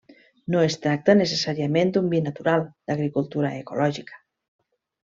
No es tracta necessàriament d'un vi natural, d'agricultura ecològica.